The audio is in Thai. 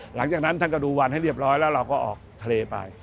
หลังจากนั้นท่านก็ดูวันให้เรียบร้อยแล้วเราก็ออกทะเลไป